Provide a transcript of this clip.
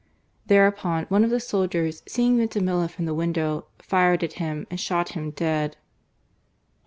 Thereupon one of the soldiers, seeing Vintimilla from the window, fired at him and shot him dead.